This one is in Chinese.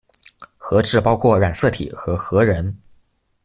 核质包括染色体和核仁。